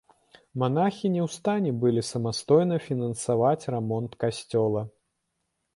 Манахі не ў стане былі самастойна фінансаваць рамонт касцёла.